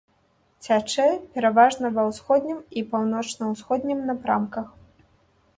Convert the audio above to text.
Цячэ пераважна ва ўсходнім і паўночна-ўсходнім напрамках.